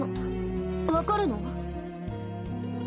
分かるの？